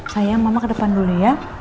saya mama ke depan dulu ya